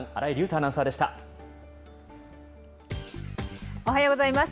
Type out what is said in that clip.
アおはようございます。